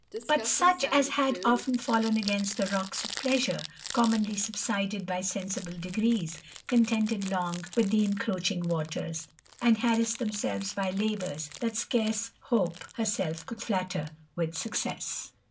But such as had ofteft fallen against the rocks of Pleasure, commonly subsided by sensible degrees, contended long with the encroaching waters, and harassed themselves by labours that scarce Hope herself could flatter with success.